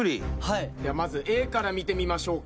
まずＡから見てみましょうか。